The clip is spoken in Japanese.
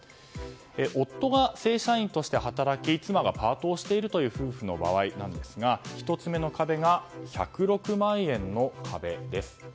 夫が正社員として働き妻がパートをしているという夫婦の場合ですが１つ目の壁が１０６万円の壁です。